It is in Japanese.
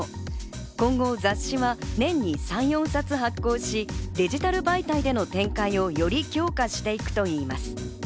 今後、雑誌は年に３４冊発行し、デジタル媒体での展開をより強化していくといいます。